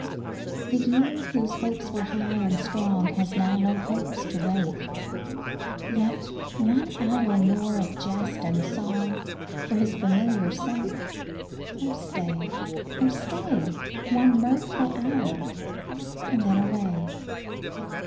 The year, whose hopes were high and strong, Has now no hopes to wake ; Yet one hour more of jest and song For his familiar sake. Oh stay, oh stay, One mirthful hour, and then away.